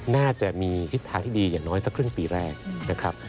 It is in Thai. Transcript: น่าจะมีทิศทางที่ดีอย่างน้อยสักครึ่งปีแรกนะครับ